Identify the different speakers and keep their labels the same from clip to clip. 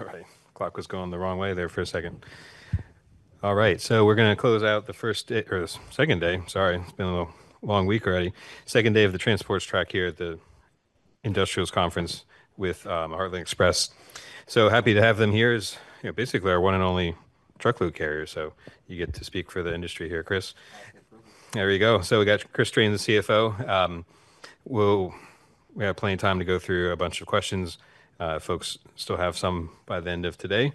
Speaker 1: All right, clock was going the wrong way there for a second. All right, we're going to close out the first day or the second day. Sorry, it's been a long week already. Second day of the transports track here at the Industrials Conference with Heartland Express. So happy to have them here as, you know, basically our one and only truckload carrier. You get to speak for the industry here, Chris.
Speaker 2: Thank you.
Speaker 1: There you go. We got Chris Strain, the CFO. We have plenty of time to go through a bunch of questions. Folks still have some by the end of today.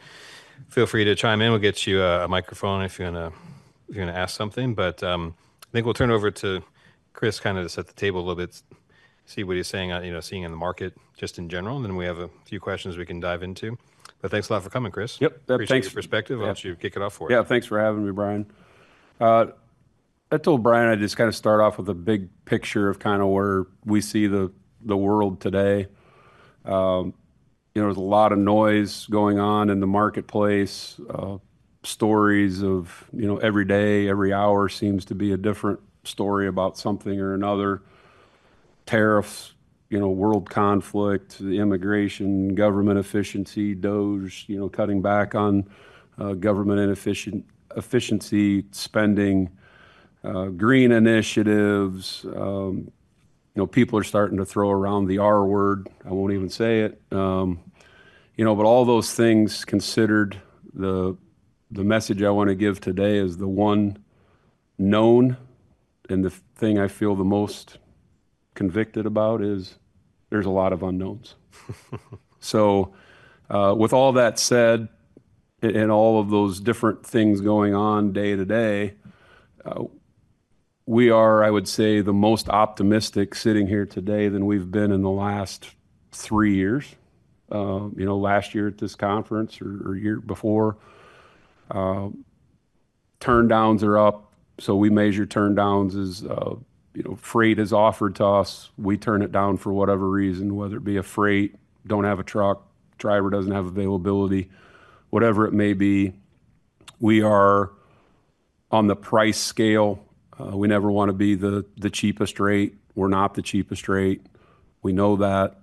Speaker 1: Feel free to chime in. We will get you a microphone if you want to ask something. I think we will turn it over to Chris to set the table a little bit, see what he is saying, you know, seeing in the market just in general. We have a few questions we can dive into. Thanks a lot for coming, Chris.
Speaker 2: Yep.
Speaker 1: Thanks for your perspective. I'll let you kick it off for us.
Speaker 2: Yeah, thanks for having me, Brian. I told Brian I'd just kind of start off with a big picture of kind of where we see the world today. You know, there's a lot of noise going on in the marketplace. Stories of, you know, every day, every hour seems to be a different story about something or another. Tariffs, you know, world conflict, immigration, government efficiency, DOGE, you know, cutting back on government inefficiency spending, green initiatives. You know, people are starting to throw around the R word. I won't even say it. You know, but all those things considered, the message I want to give today is the one known. And the thing I feel the most convicted about is there's a lot of unknowns. With all that said, and all of those different things going on day to day, we are, I would say, the most optimistic sitting here today than we've been in the last three years. You know, last year at this conference or year before, turndowns are up. We measure turndowns as, you know, freight is offered to us. We turn it down for whatever reason, whether it be a freight, don't have a truck, driver doesn't have availability, whatever it may be. We are on the price scale. We never want to be the cheapest rate. We're not the cheapest rate. We know that.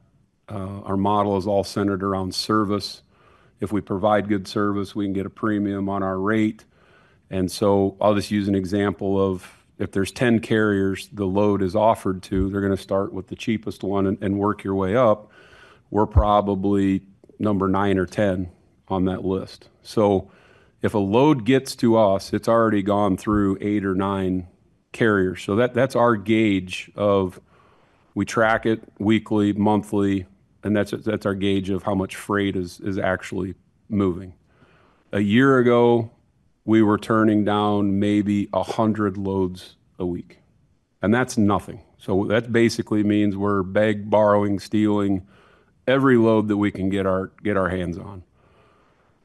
Speaker 2: Our model is all centered around service. If we provide good service, we can get a premium on our rate. I'll just use an example of if there's 10 carriers the load is offered to, they're going to start with the cheapest one and work your way up. We're probably number nine or 10 on that list. If a load gets to us, it's already gone through eight or nine carriers. That's our gauge of we track it weekly, monthly. That's our gauge of how much freight is actually moving. A year ago, we were turning down maybe 100 loads a week. That's nothing. That basically means we're begging, borrowing, stealing every load that we can get our hands on.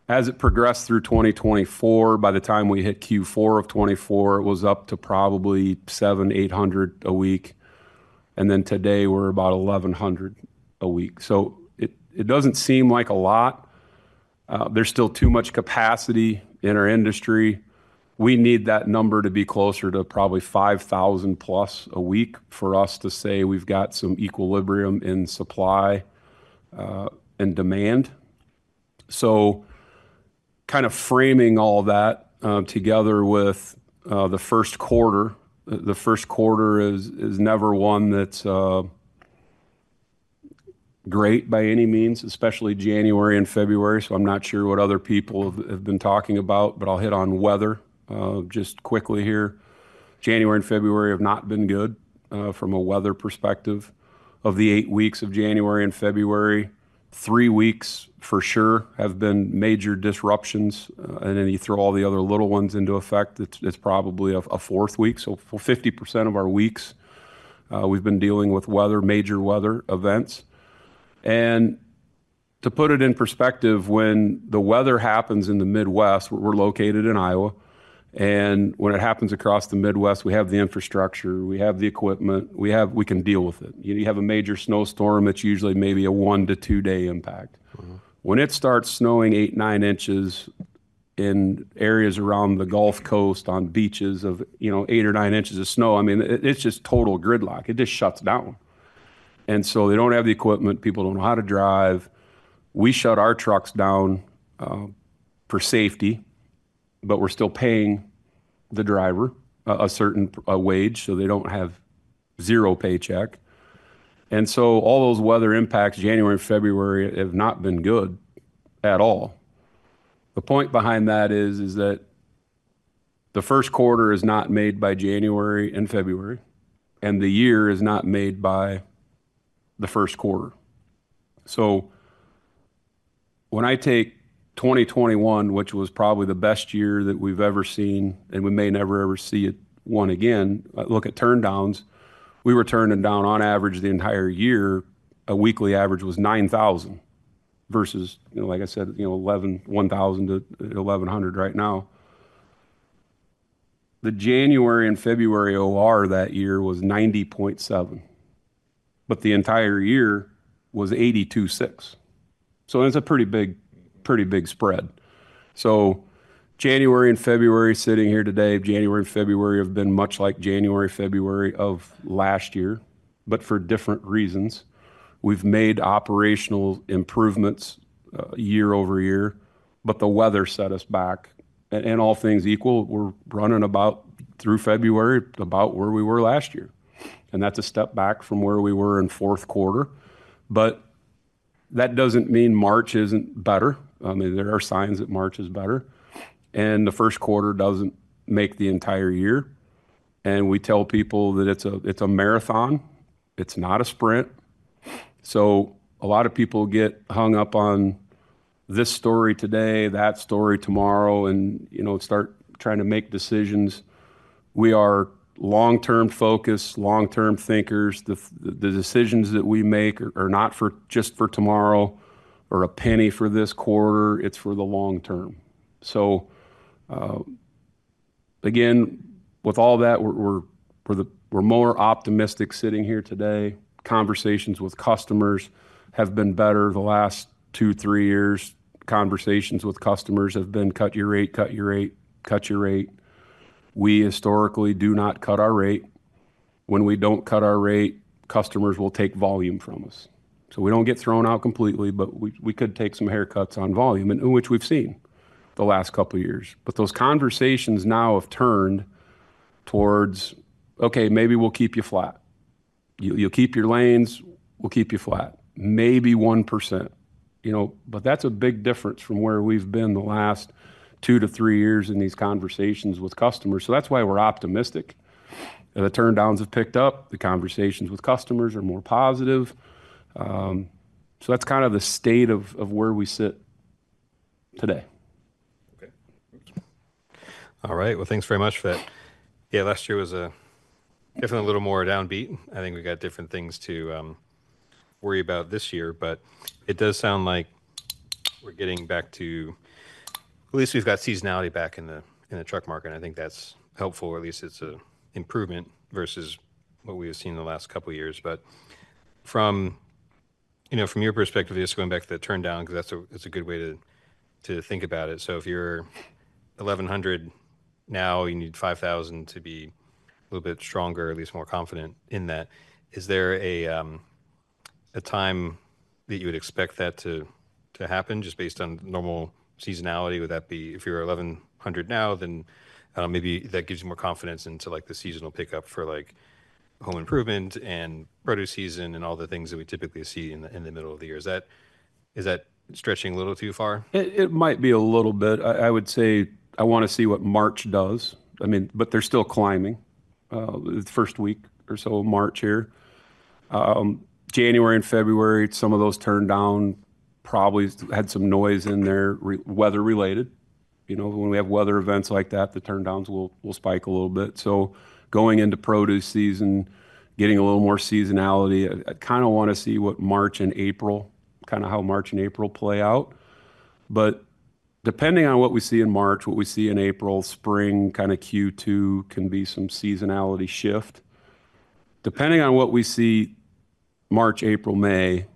Speaker 2: As it progressed through 2024, by the time we hit Q4 of 2024, it was up to probably 700-800 a week. Today we're about 1,100 a week. It doesn't seem like a lot. There's still too much capacity in our industry. We need that number to be closer to probably 5,000+ a week for us to say we've got some equilibrium in supply and demand. Kind of framing all that together with the first quarter, the first quarter is never one that's great by any means, especially January and February. I'm not sure what other people have been talking about, but I'll hit on weather just quickly here. January and February have not been good from a weather perspective. Of the eight weeks of January and February, three weeks for sure have been major disruptions. You throw all the other little ones into effect, it's probably a fourth week. For 50% of our weeks, we've been dealing with weather, major weather events. To put it in perspective, when the weather happens in the Midwest, we're located in Iowa. When it happens across the Midwest, we have the infrastructure, we have the equipment, we can deal with it. You have a major snowstorm, it's usually maybe a one to two day impact. When it starts snowing eight, nine inches in areas around the Gulf Coast on beaches of, you know, eight or nine inches of snow, I mean, it's just total gridlock. It just shuts down. They don't have the equipment, people don't know how to drive. We shut our trucks down for safety, but we're still paying the driver a certain wage. They don't have zero paycheck. All those weather impacts, January and February have not been good at all. The point behind that is that the first quarter is not made by January and February, and the year is not made by the first quarter. When I take 2021, which was probably the best year that we've ever seen, and we may never, ever see it one again, look at turndowns, we were turning down on average the entire year. A weekly average was 9,000 versus, you know, like I said, you know, 1,000 to 1,100 right now. The January and February OR that year was 90.7%, but the entire year was 82.6%. It is a pretty big, pretty big spread. January and February sitting here today, January and February have been much like January, February of last year, but for different reasons. We've made operational improvements year over year, but the weather set us back. All things equal, we're running about through February about where we were last year. That's a step back from where we were in fourth quarter. That doesn't mean March isn't better. I mean, there are signs that March is better. The first quarter doesn't make the entire year. We tell people that it's a marathon. It's not a sprint. A lot of people get hung up on this story today, that story tomorrow, and, you know, start trying to make decisions. We are long-term focused, long-term thinkers. The decisions that we make are not just for tomorrow or a penny for this quarter. It's for the long term. Again, with all that, we're more optimistic sitting here today. Conversations with customers have been better the last two, three years. Conversations with customers have been cut your rate, cut your rate, cut your rate. We historically do not cut our rate. When we don't cut our rate, customers will take volume from us. We don't get thrown out completely, but we could take some haircuts on volume, which we've seen the last couple of years. Those conversations now have turned towards, okay, maybe we'll keep you flat. You'll keep your lanes, we'll keep you flat, maybe 1%. You know, that's a big difference from where we've been the last two to three years in these conversations with customers. That's why we're optimistic. The turndowns have picked up. The conversations with customers are more positive. That's kind of the state of where we sit today.
Speaker 1: Okay. All right. Thanks very much for that. Yeah, last year was definitely a little more downbeat. I think we got different things to worry about this year, but it does sound like we're getting back to at least we've got seasonality back in the truck market. I think that's helpful. At least it's an improvement versus what we have seen in the last couple of years. From your perspective, just going back to the turndown, because that's a good way to think about it. If you're 1,100 now, you need 5,000 to be a little bit stronger, at least more confident in that. Is there a time that you would expect that to happen just based on normal seasonality? Would that be if you're 1,100 now, then maybe that gives you more confidence into like the seasonal pickup for like home improvement and produce season and all the things that we typically see in the middle of the year? Is that stretching a little too far?
Speaker 2: It might be a little bit. I would say I want to see what March does. I mean, but they're still climbing the first week or so of March here. January and February, some of those turndowns probably had some noise in there, weather related. You know, when we have weather events like that, the turndowns will spike a little bit. Going into produce season, getting a little more seasonality, I kind of want to see what March and April, kind of how March and April play out. Depending on what we see in March, what we see in April, spring, kind of Q2 can be some seasonality shift. Depending on what we see March, April, May,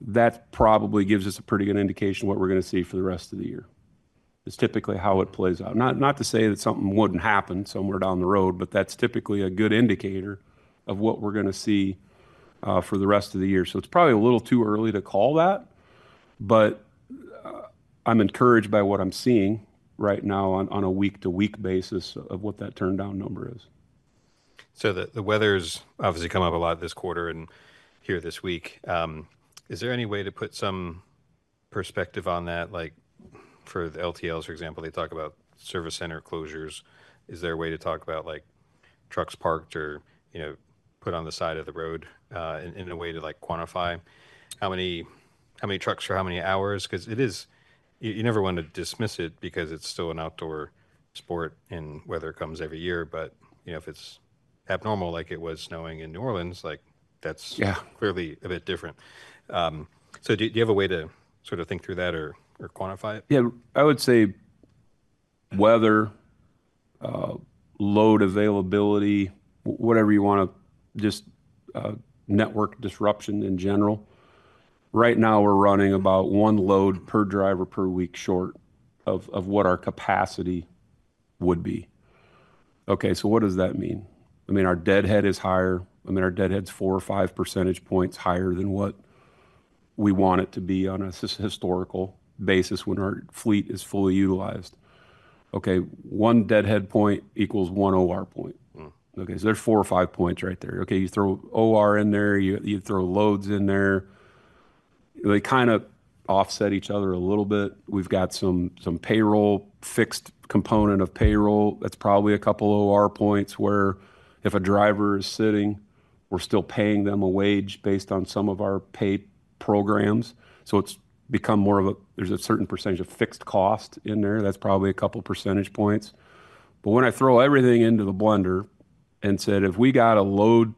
Speaker 2: that probably gives us a pretty good indication of what we're going to see for the rest of the year. It's typically how it plays out. Not to say that something would not happen somewhere down the road, but that is typically a good indicator of what we are going to see for the rest of the year. It is probably a little too early to call that. I am encouraged by what I am seeing right now on a week-to-week basis of what that turndown number is.
Speaker 1: The weather has obviously come up a lot this quarter and here this week. Is there any way to put some perspective on that? Like for the LTLs, for example, they talk about service center closures. Is there a way to talk about like trucks parked or, you know, put on the side of the road in a way to like quantify how many trucks for how many hours? Because it is, you never want to dismiss it because it's still an outdoor sport and weather comes every year. You know, if it's abnormal like it was snowing in New Orleans, like that's clearly a bit different. Do you have a way to sort of think through that or quantify it?
Speaker 2: Yeah, I would say weather, load availability, whatever you want to just network disruption in general. Right now we're running about one load per driver per week short of what our capacity would be. Okay, so what does that mean? I mean, our deadhead is higher. I mean, our deadhead's four or five percentage points higher than what we want it to be on a historical basis when our fleet is fully utilized. Okay, one deadhead point equals one OR point. Okay, so there's four or five points right there. Okay, you throw OR in there, you throw loads in there. They kind of offset each other a little bit. We've got some payroll, fixed component of payroll. That's probably a couple OR points where if a driver is sitting, we're still paying them a wage based on some of our pay programs. It has become more of a, there's a certain percentage of fixed cost in there. That's probably a couple percentage points. When I throw everything into the blender and said, if we got a load,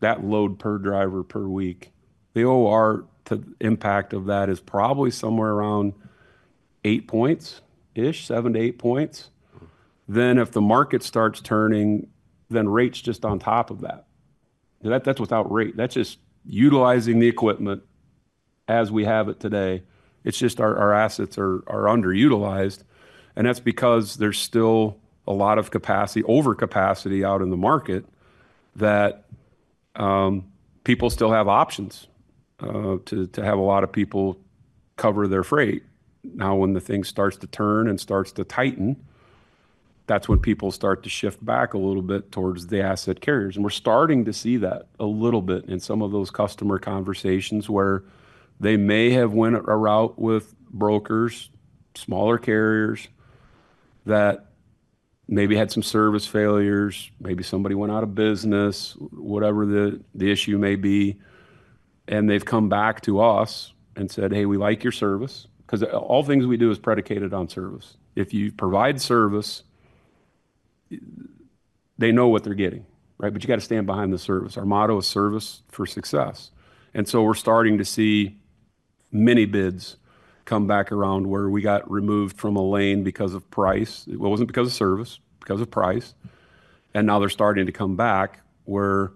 Speaker 2: that load per driver per week, the OR impact of that is probably somewhere around eight points ish, seven to eight points. If the market starts turning, then rates just on top of that. That's without rate. That's just utilizing the equipment as we have it today. It's just our assets are underutilized. That's because there's still a lot of capacity, overcapacity out in the market that people still have options to have a lot of people cover their freight. When the thing starts to turn and starts to tighten, that's when people start to shift back a little bit towards the asset carriers. We're starting to see that a little bit in some of those customer conversations where they may have went a route with brokers, smaller carriers that maybe had some service failures, maybe somebody went out of business, whatever the issue may be. They've come back to us and said, hey, we like your service. Because all things we do is predicated on service. If you provide service, they know what they're getting, right? But you got to stand behind the service. Our motto is Service for Success. We're starting to see many bids come back around where we got removed from a lane because of price. It wasn't because of service, because of price. Now they're starting to come back where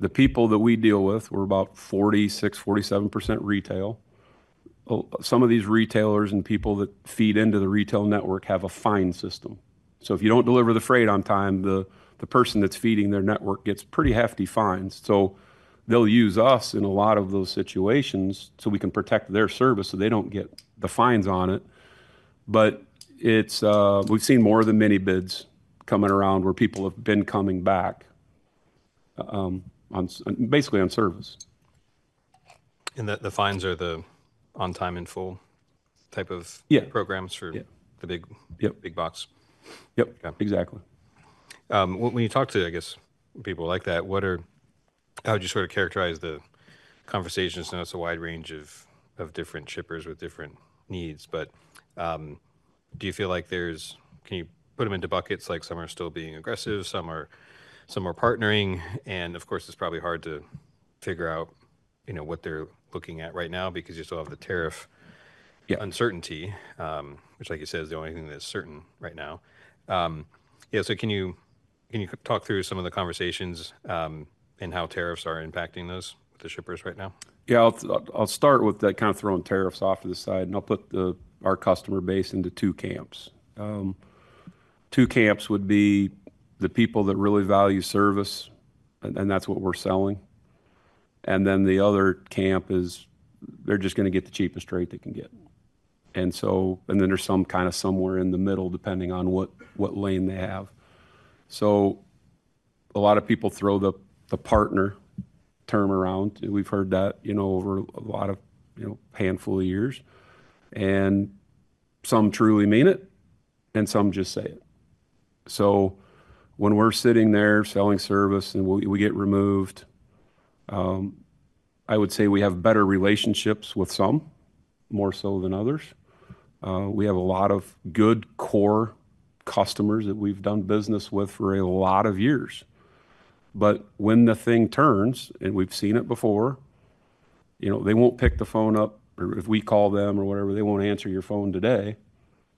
Speaker 2: the people that we deal with, we're about 46%-47% retail. Some of these retailers and people that feed into the retail network have a fine system. If you don't deliver the freight on time, the person that's feeding their network gets pretty hefty fines. They'll use us in a lot of those situations so we can protect their service so they don't get the fines on it. We've seen more of the mini bids coming around where people have been coming back basically on service.
Speaker 1: The fines are the On Time In Full type of programs for the big box.
Speaker 2: Yep. Yep. Exactly.
Speaker 1: When you talk to, I guess, people like that, what are, how would you sort of characterize the conversations? I know it's a wide range of different shippers with different needs, but do you feel like there's, can you put them into buckets? Like some are still being aggressive, some are partnering. Of course, it's probably hard to figure out, you know, what they're looking at right now because you still have the tariff uncertainty, which like you said, is the only thing that's certain right now. Yeah. Can you talk through some of the conversations and how tariffs are impacting those with the shippers right now?
Speaker 2: Yeah, I'll start with that, kind of throwing tariffs off to the side, and I'll put our customer base into two camps. Two camps would be the people that really value service, and that's what we're selling. The other camp is they're just going to get the cheapest rate they can get. There is some kind of somewhere in the middle depending on what lane they have. A lot of people throw the partner term around. We've heard that, you know, over a lot of, you know, handful of years. Some truly mean it, and some just say it. When we're sitting there selling service and we get removed, I would say we have better relationships with some, more so than others. We have a lot of good core customers that we've done business with for a lot of years. When the thing turns, and we've seen it before, you know, they won't pick the phone up. If we call them or whatever, they won't answer your phone today.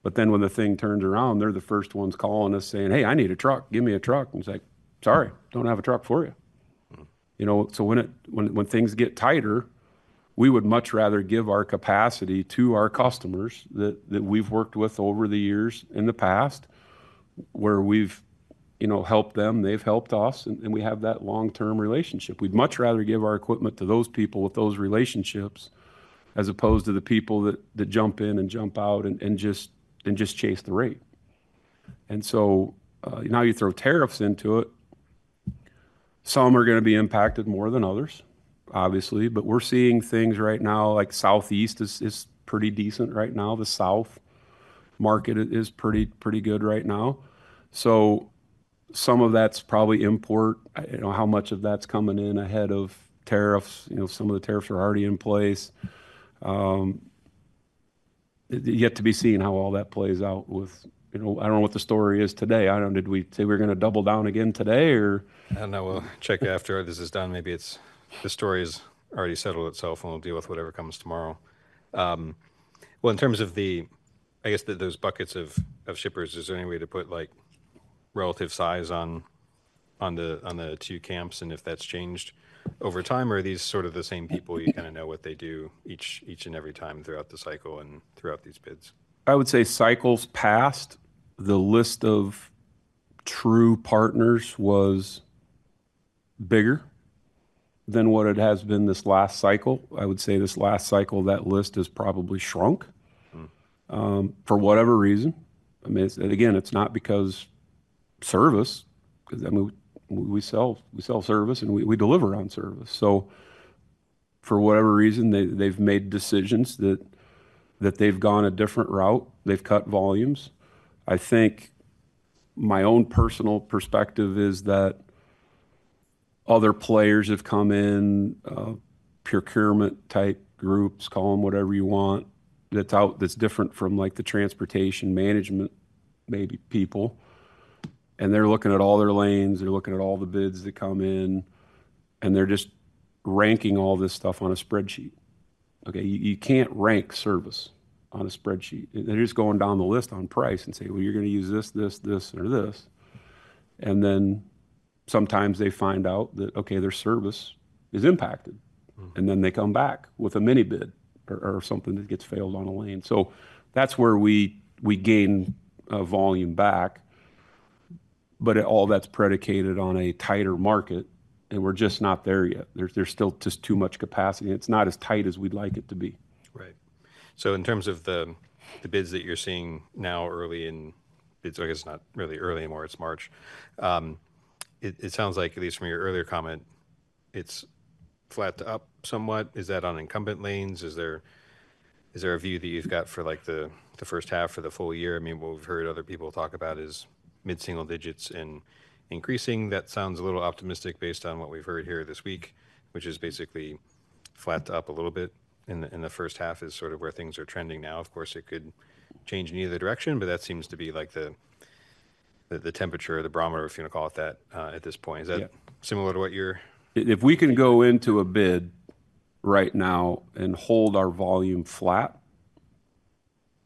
Speaker 2: When the thing turns around, they're the first ones calling us saying, hey, I need a truck, give me a truck. It's like, sorry, don't have a truck for you. You know, when things get tighter, we would much rather give our capacity to our customers that we've worked with over the years in the past where we've, you know, helped them, they've helped us, and we have that long-term relationship. We'd much rather give our equipment to those people with those relationships as opposed to the people that jump in and jump out and just chase the rate. Now you throw tariffs into it. Some are going to be impacted more than others, obviously, but we're seeing things right now like Southeast is pretty decent right now. The South market is pretty good right now. Some of that's probably import. You know, how much of that's coming in ahead of tariffs? You know, some of the tariffs are already in place. Yet to be seen how all that plays out with, you know, I don't know what the story is today. I don't know. Did we say we're going to double down again today or?
Speaker 1: I don't know. We'll check after this is done. Maybe the story has already settled itself and we'll deal with whatever comes tomorrow. In terms of the, I guess that those buckets of shippers, is there any way to put like relative size on the two camps and if that's changed over time? Or are these sort of the same people? You kind of know what they do each and every time throughout the cycle and throughout these bids?
Speaker 2: I would say cycles past, the list of true partners was bigger than what it has been this last cycle. I would say this last cycle, that list has probably shrunk for whatever reason. I mean, again, it's not because service, because I mean, we sell service and we deliver on service. For whatever reason, they've made decisions that they've gone a different route. They've cut volumes. I think my own personal perspective is that other players have come in, procurement type groups, call them whatever you want, that's out, that's different from like the transportation management, maybe people. They're looking at all their lanes. They're looking at all the bids that come in, and they're just ranking all this stuff on a spreadsheet. Okay. You can't rank service on a spreadsheet. They're just going down the list on price and say, well, you're going to use this, this, this, or this. Sometimes they find out that, okay, their service is impacted. They come back with a mini bid or something that gets failed on a lane. That's where we gain volume back. All that's predicated on a tighter market, and we're just not there yet. There's still just too much capacity. It's not as tight as we'd like it to be.
Speaker 1: Right. In terms of the bids that you're seeing now early in, it's not really early anymore. It's March. It sounds like at least from your earlier comment, it's flat to up somewhat. Is that on incumbent lanes? Is there a view that you've got for like the first half for the full year? I mean, what we've heard other people talk about is mid-single digits and increasing. That sounds a little optimistic based on what we've heard here this week, which is basically flat to up a little bit in the first half is sort of where things are trending now. Of course, it could change in either direction, but that seems to be like the temperature, the barometer, if you want to call it that at this point. Is that similar to what you're?
Speaker 2: If we can go into a bid right now and hold our volume flat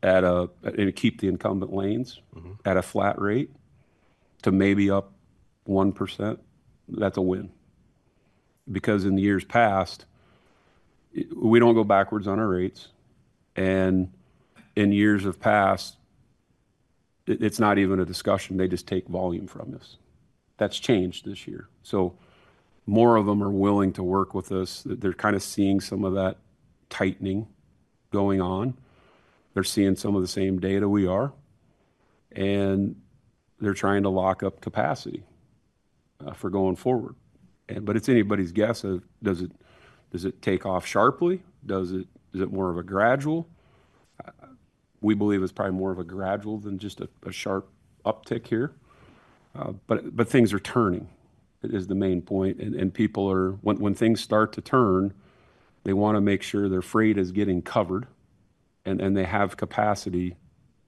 Speaker 2: and keep the incumbent lanes at a flat rate to maybe up 1%, that's a win. Because in the years past, we don't go backwards on our rates. In years of past, it's not even a discussion. They just take volume from us. That's changed this year. More of them are willing to work with us. They're kind of seeing some of that tightening going on. They're seeing some of the same data we are. They're trying to lock up capacity for going forward. It's anybody's guess of does it take off sharply? Is it more of a gradual? We believe it's probably more of a gradual than just a sharp uptick here. Things are turning is the main point. People are, when things start to turn, they want to make sure their freight is getting covered and they have capacity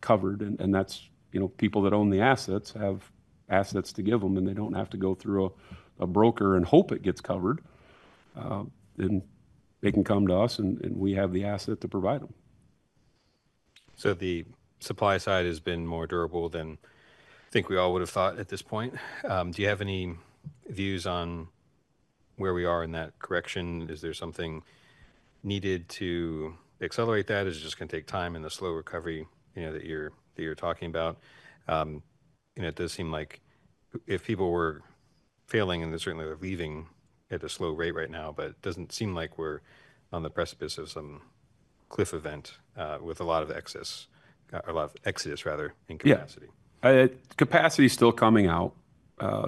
Speaker 2: covered. That is, you know, people that own the assets have assets to give them, and they do not have to go through a broker and hope it gets covered. They can come to us, and we have the asset to provide them.
Speaker 1: The supply side has been more durable than I think we all would have thought at this point. Do you have any views on where we are in that correction? Is there something needed to accelerate that? Is it just going to take time in the slow recovery, you know, that you're talking about? You know, it does seem like if people were failing, and they're certainly leaving at a slow rate right now, but it doesn't seem like we're on the precipice of some cliff event with a lot of excess, a lot of exodus, rather, in capacity.
Speaker 2: Yeah. Capacity is still coming out.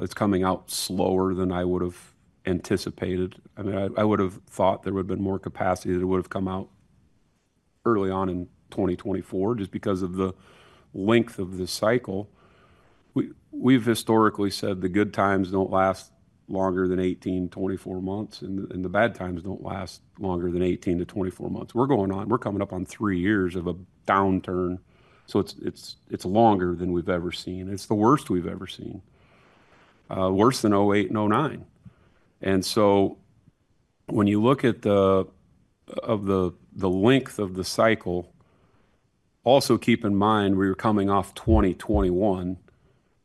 Speaker 2: It's coming out slower than I would have anticipated. I mean, I would have thought there would have been more capacity that would have come out early on in 2024 just because of the length of the cycle. We've historically said the good times don't last longer than 18-24 months, and the bad times don't last longer than 18-24 months. We're going on, we're coming up on three years of a downturn. It is longer than we've ever seen. It's the worst we've ever seen. Worse than 2008 and 2009. When you look at the length of the cycle, also keep in mind we were coming off 2021,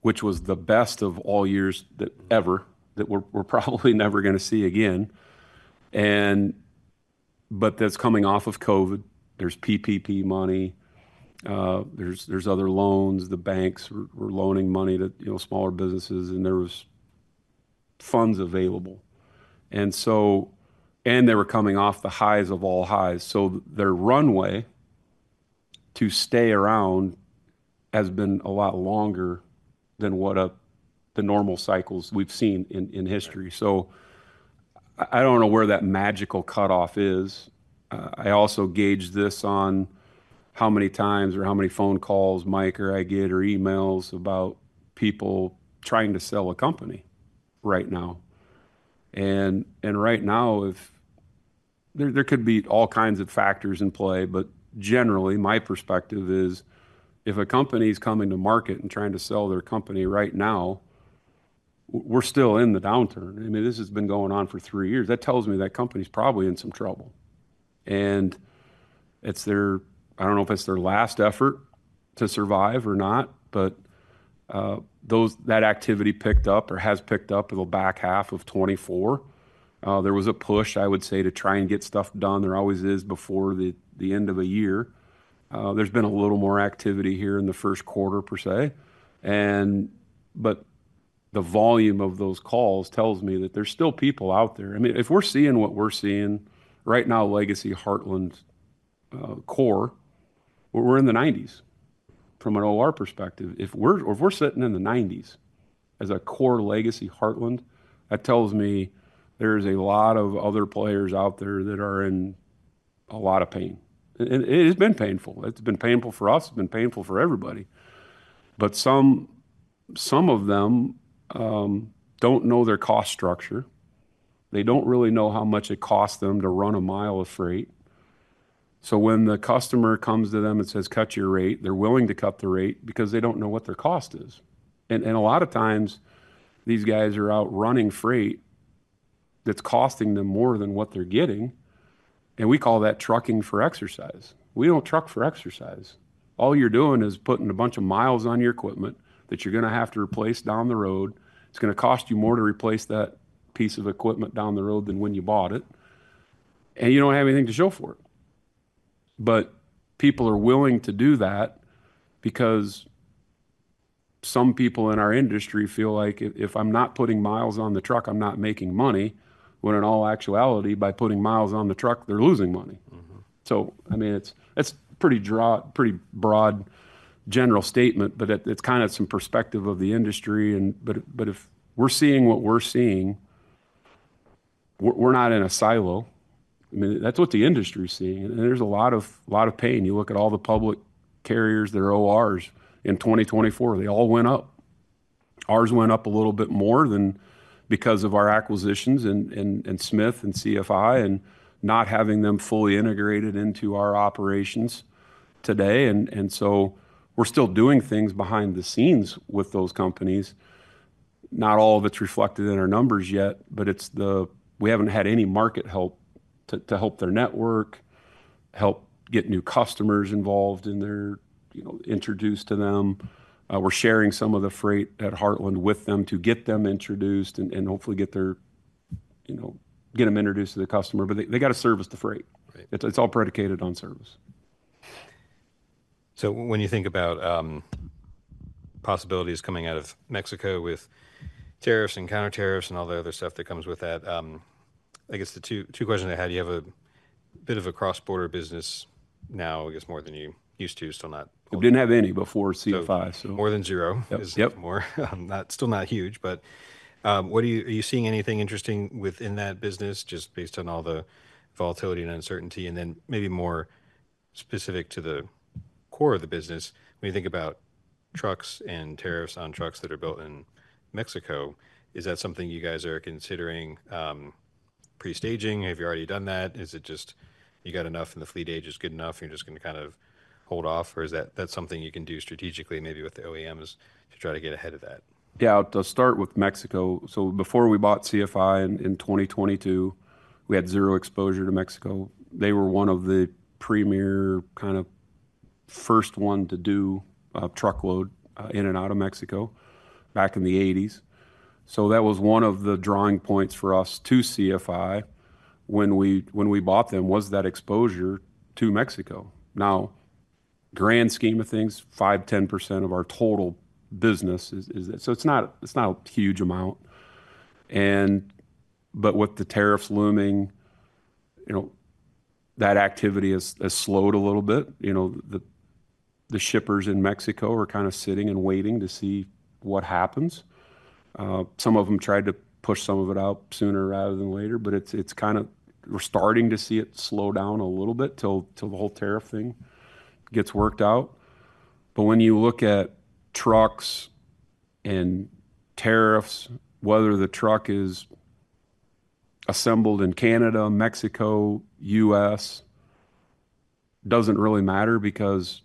Speaker 2: which was the best of all years that ever, that we're probably never going to see again. That is coming off of COVID. There's PPP money. There's other loans. The banks were loaning money to, you know, smaller businesses, and there were funds available. They were coming off the highs of all highs. Their runway to stay around has been a lot longer than what the normal cycles we've seen in history. I don't know where that magical cutoff is. I also gauge this on how many times or how many phone calls Mike or I get or emails about people trying to sell a company right now. Right now, there could be all kinds of factors in play, but generally, my perspective is if a company is coming to market and trying to sell their company right now, we're still in the downturn. I mean, this has been going on for three years. That tells me that company is probably in some trouble. It is their, I do not know if it is their last effort to survive or not, but that activity picked up or has picked up the back half of 2024. There was a push, I would say, to try and get stuff done. There always is before the end of a year. There has been a little more activity here in the first quarter, per se. The volume of those calls tells me that there are still people out there. I mean, if we are seeing what we are seeing right now, Legacy Heartland, we are in the 90s from an OR perspective. If we are sitting in the 90s as a core Legacy Heartland, that tells me there are a lot of other players out there that are in a lot of pain. It has been painful. It has been painful for us. It has been painful for everybody. Some of them don't know their cost structure. They don't really know how much it costs them to run a mile of freight. When the customer comes to them and says, "cut your rate," they're willing to cut the rate because they don't know what their cost is. A lot of times, these guys are out running freight that's costing them more than what they're getting. We call that trucking for exercise. We don't truck for exercise. All you're doing is putting a bunch of miles on your equipment that you're going to have to replace down the road. It's going to cost you more to replace that piece of equipment down the road than when you bought it. You don't have anything to show for it. People are willing to do that because some people in our industry feel like if I'm not putting miles on the truck, I'm not making money, when in all actuality, by putting miles on the truck, they're losing money. I mean, it's a pretty broad general statement, but it's kind of some perspective of the industry. If we're seeing what we're seeing, we're not in a silo. I mean, that's what the industry is seeing. There's a lot of pain. You look at all the public carriers, their ORs in 2024, they all went up. Ours went up a little bit more than because of our acquisitions and Smith and CFI and not having them fully integrated into our operations today. We're still doing things behind the scenes with those companies. Not all of it's reflected in our numbers yet, but we haven't had any market help to help their network, help get new customers involved and they're introduced to them. We're sharing some of the freight at Heartland with them to get them introduced and hopefully get their, you know, get them introduced to the customer. They got to service the freight. It's all predicated on service.
Speaker 1: When you think about possibilities coming out of Mexico with tariffs and counter tariffs and all the other stuff that comes with that, I guess the two questions I had, you have a bit of a cross-border business now, I guess more than you used to, still not.
Speaker 2: Didn't have any before CFI, so.
Speaker 1: More than zero. It's more. Still not huge, but are you seeing anything interesting within that business just based on all the volatility and uncertainty? Maybe more specific to the core of the business, when you think about trucks and tariffs on trucks that are built in Mexico, is that something you guys are considering pre-staging? Have you already done that? Is it just you got enough and the fleet age is good enough and you're just going to kind of hold off? Is that something you can do strategically maybe with the OEMs to try to get ahead of that?
Speaker 2: Yeah, I'll start with Mexico. Before we bought CFI in 2022, we had zero exposure to Mexico. They were one of the premier kind of first ones to do truckload in and out of Mexico back in the 1980s. That was one of the drawing points for us to CFI when we bought them, was that exposure to Mexico. Now, grand scheme of things, 5%-10% of our total business is that. It's not a huge amount. With the tariffs looming, you know, that activity has slowed a little bit. You know, the shippers in Mexico are kind of sitting and waiting to see what happens. Some of them tried to push some of it out sooner rather than later, but it's kind of, we're starting to see it slow down a little bit till the whole tariff thing gets worked out. When you look at trucks and tariffs, whether the truck is assembled in Canada, Mexico, or the U.S., it does not really matter because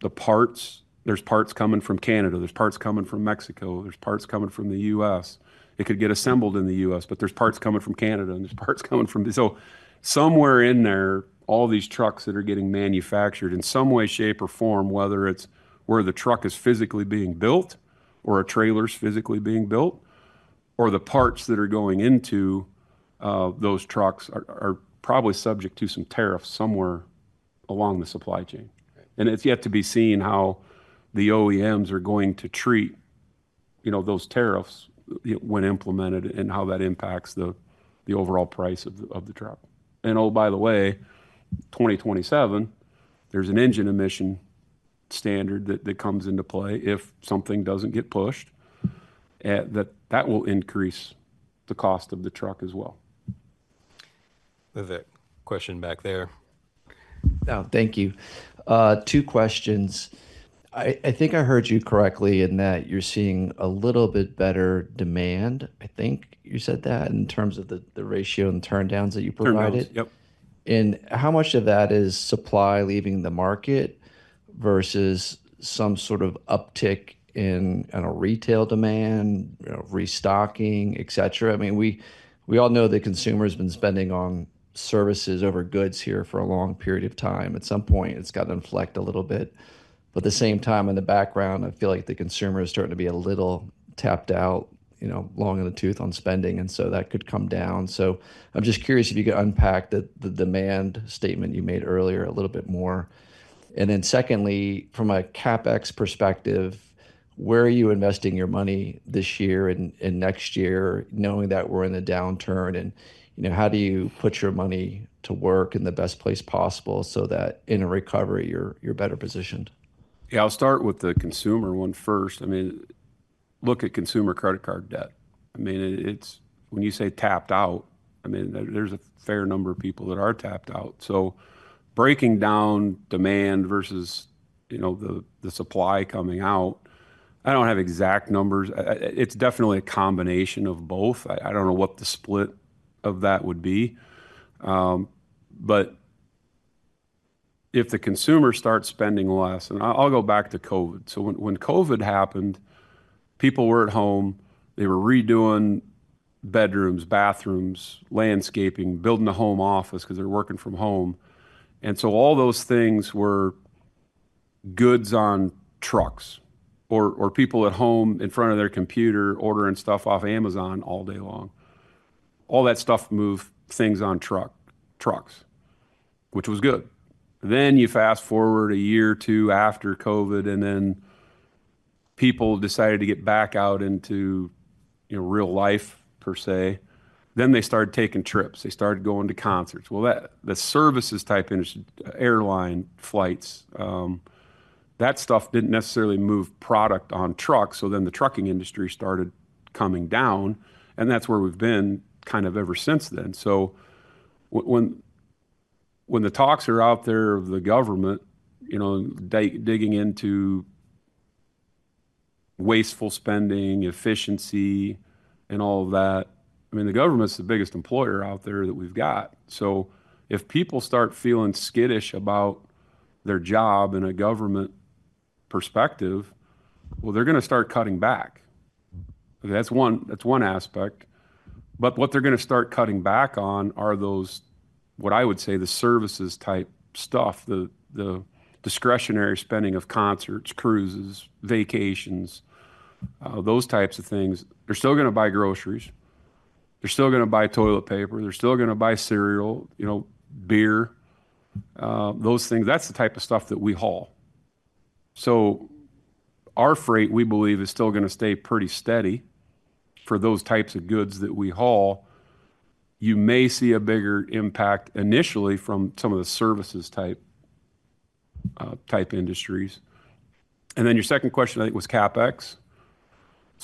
Speaker 2: there are parts coming from Canada, there are parts coming from Mexico, there are parts coming from the U.S.. It could get assembled in the U.S., but there are parts coming from Canada and there are parts coming from the U.S.. Somewhere in there, all these trucks that are getting manufactured in some way, shape, or form, whether it is where the truck is physically being built or a trailer is physically being built or the parts that are going into those trucks, are probably subject to some tariffs somewhere along the supply chain. It is yet to be seen how the OEMs are going to treat, you know, those tariffs when implemented and how that impacts the overall price of the truck. By the way, 2027, there is an engine emission standard that comes into play if something does not get pushed that will increase the cost of the truck as well.
Speaker 1: We have a question back there. Thank you. Two questions. I think I heard you correctly in that you're seeing a little bit better demand. I think you said that in terms of the ratio and the turndowns that you provided. How much of that is supply leaving the market versus some sort of uptick in retail demand, restocking, etc.? I mean, we all know that consumers have been spending on services over goods here for a long period of time. At some point, it's got to inflect a little bit. At the same time, in the background, I feel like the consumer is starting to be a little tapped out, you know, long in the tooth on spending, and that could come down. I'm just curious if you could unpack the demand statement you made earlier a little bit more. Secondly, from a CapEx perspective, where are you investing your money this year and next year, knowing that we're in a downturn? How do you put your money to work in the best place possible so that in a recovery, you're better positioned?
Speaker 2: Yeah, I'll start with the consumer one first. I mean, look at consumer credit card debt. I mean, when you say tapped out, I mean, there's a fair number of people that are tapped out. Breaking down demand versus, you know, the supply coming out, I don't have exact numbers. It's definitely a combination of both. I don't know what the split of that would be. If the consumer starts spending less, I'll go back to COVID. When COVID happened, people were at home. They were redoing bedrooms, bathrooms, landscaping, building a home office because they're working from home. All those things were goods on trucks or people at home in front of their computer ordering stuff off Amazon all day long. All that stuff moved things on trucks, which was good. You fast forward a year or two after COVID, and people decided to get back out into, you know, real life, per se. They started taking trips. They started going to concerts. The services type industry, airline flights, that stuff did not necessarily move product on trucks. The trucking industry started coming down, and that is where we have been kind of ever since then. When the talks are out there of the government, you know, digging into wasteful spending, efficiency, and all of that, I mean, the government is the biggest employer out there that we have got. If people start feeling skittish about their job in a government perspective, they are going to start cutting back. That is one aspect. What they're going to start cutting back on are those, what I would say, the services type stuff, the discretionary spending of concerts, cruises, vacations, those types of things. They're still going to buy groceries. They're still going to buy toilet paper. They're still going to buy cereal, you know, beer, those things. That's the type of stuff that we haul. Our freight, we believe, is still going to stay pretty steady for those types of goods that we haul. You may see a bigger impact initially from some of the services type industries. Your second question, I think, was CapEx.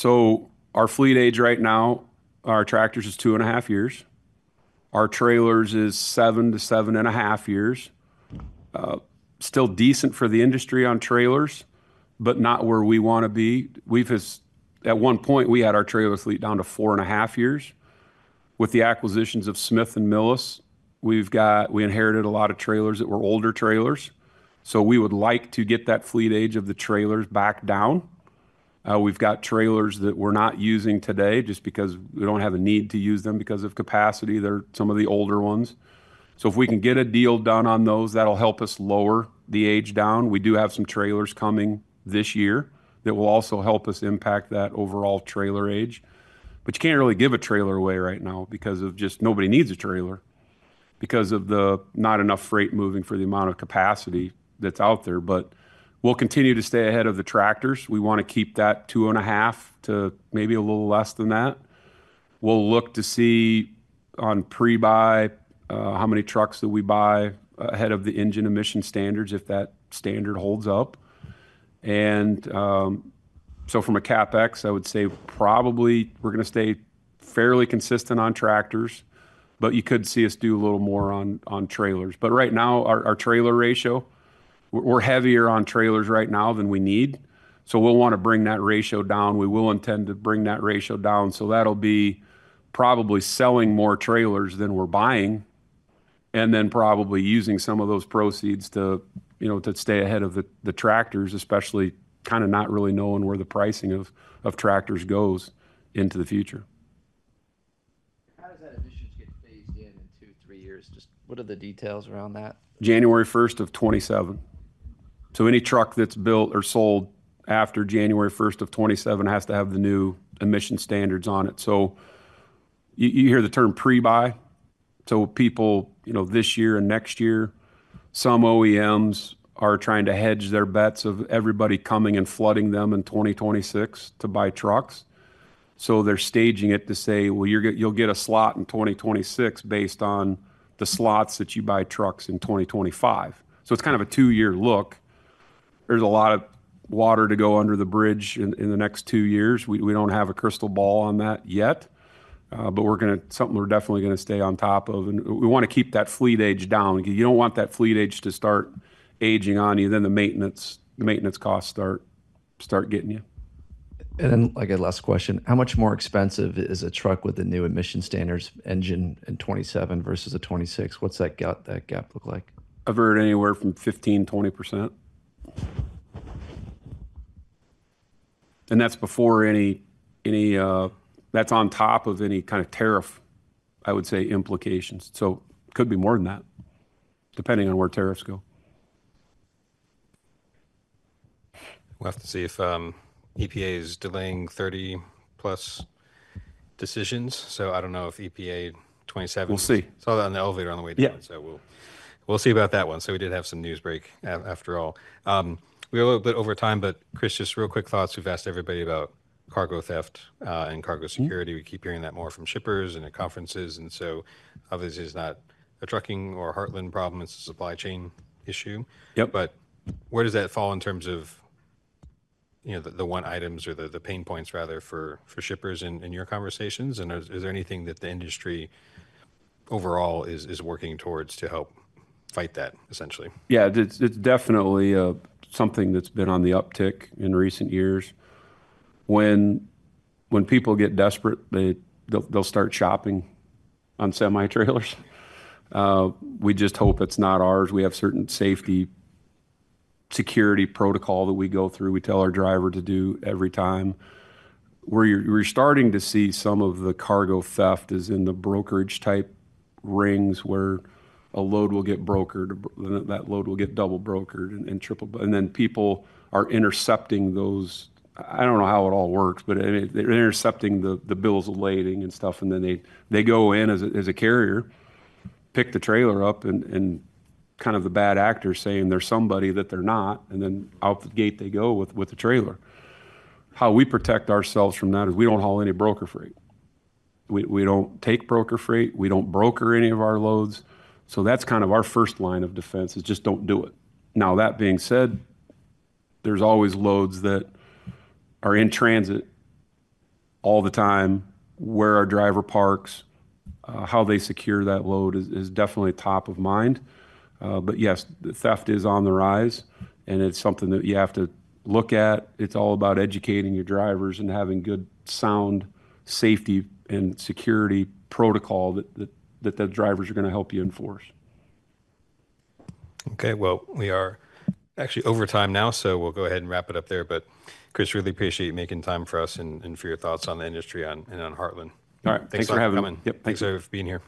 Speaker 2: Our fleet age right now, our tractors is two and a half years. Our trailers is seven to seven and a half years. Still decent for the industry on trailers, but not where we want to be. At one point, we had our trailer fleet down to four and a half years. With the acquisitions of Smith and Millis, we inherited a lot of trailers that were older trailers. We would like to get that fleet age of the trailers back down. We have trailers that we are not using today just because we do not have a need to use them because of capacity. They are some of the older ones. If we can get a deal done on those, that will help us lower the age down. We do have some trailers coming this year that will also help us impact that overall trailer age. You cannot really give a trailer away right now because nobody needs a trailer because of not enough freight moving for the amount of capacity that is out there. We will continue to stay ahead of the tractors. We want to keep that two and a half to maybe a little less than that. We will look to see on pre-buy how many trucks that we buy ahead of the engine emission standards if that standard holds up. From a CapEx, I would say probably we are going to stay fairly consistent on tractors, but you could see us do a little more on trailers. Right now, our trailer ratio, we are heavier on trailers right now than we need. We will want to bring that ratio down. We will intend to bring that ratio down. That will be probably selling more trailers than we are buying and then probably using some of those proceeds to, you know, to stay ahead of the tractors, especially kind of not really knowing where the pricing of tractors goes into the future. How does that emissions get phased in in two, three years? Just what are the details around that? January 1st of 2027. Any truck that's built or sold after January 1st of 2027 has to have the new emission standards on it. You hear the term pre-buy. People, you know, this year and next year, some OEMs are trying to hedge their bets of everybody coming and flooding them in 2026 to buy trucks. They are staging it to say, you'll get a slot in 2026 based on the slots that you buy trucks in 2025. It is kind of a two-year look. There is a lot of water to go under the bridge in the next two years. We do not have a crystal ball on that yet, but it is something we are definitely going to stay on top of. We want to keep that fleet age down. You don't want that fleet age to start aging on you, then the maintenance costs start getting you. I got a last question. How much more expensive is a truck with a new emission standards engine in 2027 versus a 2026? What's that gap look like? I've heard anywhere from 15%-20%. And that's before any, that's on top of any kind of tariff, I would say, implications. So it could be more than that, depending on where tariffs go.
Speaker 1: We'll have to see if EPA is delaying 30+ decisions. I don't know if EPA 2027.
Speaker 2: We'll see.
Speaker 1: Saw that on the elevator on the way down. We'll see about that one. We did have some news break after all. We're a little bit over time, but Chris, just real quick thoughts. We've asked everybody about cargo theft and cargo security. We keep hearing that more from shippers and at conferences. Obviously it's not a trucking or a Heartland problem. It's a supply chain issue. Where does that fall in terms of, you know, the one items or the pain points rather for shippers in your conversations? Is there anything that the industry overall is working towards to help fight that, essentially?
Speaker 2: Yeah, it's definitely something that's been on the uptick in recent years. When people get desperate, they'll start shopping on semi-trailers. We just hope it's not ours. We have certain safety security protocol that we go through. We tell our driver to do every time. We're starting to see some of the cargo theft is in the brokerage type rings where a load will get brokered, that load will get double brokered and triple. People are intercepting those. I don't know how it all works, but they're intercepting the bills of lading and stuff. They go in as a carrier, pick the trailer up and kind of the bad actor saying they're somebody that they're not. Out the gate they go with the trailer. How we protect ourselves from that is we don't haul any broker freight. We don't take broker freight. We do not broker any of our loads. That is kind of our first line of defense, just do not do it. That being said, there are always loads that are in transit all the time where our driver parks. How they secure that load is definitely top of mind. Yes, theft is on the rise and it is something that you have to look at. It is all about educating your drivers and having good, sound safety and security protocol that the drivers are going to help you enforce.
Speaker 1: Okay, we are actually over time now, so we'll go ahead and wrap it up there. Chris, really appreciate you making time for us and for your thoughts on the industry and on Heartland.
Speaker 2: All right. Thanks for having me.
Speaker 1: Thanks for coming.
Speaker 2: Yep.
Speaker 1: Thanks for being here.